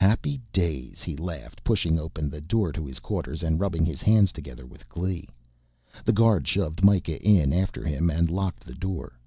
"Happy days," he laughed, pushing open the door to his quarters and rubbing his hands together with glee. The guard shoved Mikah in after him and locked the door.